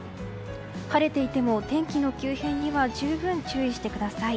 晴れていても天気の急変には十分注意してください。